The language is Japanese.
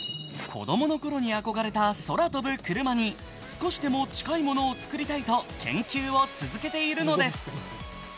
子どものころに憧れた空飛ぶ車に少しでも近いものを作りたいと研究を続けているのです。